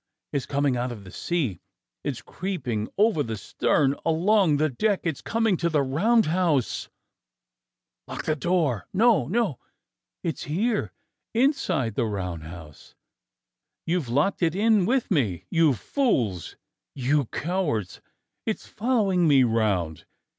It's coming out of the sea! It's creeping over the stern, along the deck ! It's coming to the roundhouse ! Lock the door! No! No! It's here inside the roundhouse. You've locked it in with me, you fools ! You cowards, it's following me round!